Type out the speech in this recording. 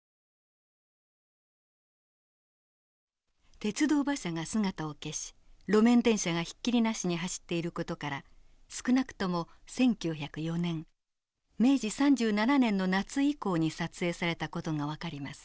鉄道馬車が姿を消し路面電車がひっきりなしに走っている事から少なくとも１９０４年明治３７年の夏以降に撮影された事が分かります。